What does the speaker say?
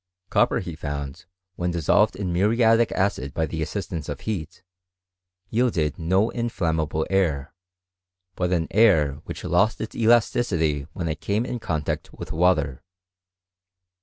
Copper he found, when dissolved in muriatic acid by the assistance of heat, yielded no inSammable air, but an tur which lost its elasticity when it came in contact with water.